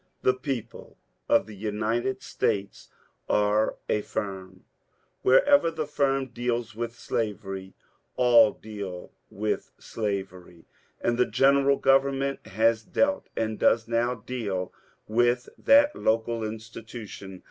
The people of the United States are a firm. Wherever the firm deals with slavery, all deal with slavery ; and the general government has dealt, and does now deal, with that local institution.